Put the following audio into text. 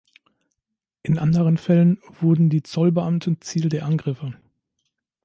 In anderen Fällen wurden die Zollbeamten Ziel der Angriffe.